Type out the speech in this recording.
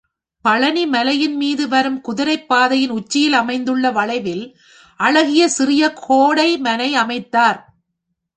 பழனி மலையின்மீது வரும் குதிரைப் பாதையின் உச்சியில் அமைந்துள்ள வளைவில், அழகிய சிறிய ஒரு கோடைமனை அமைத்தார்.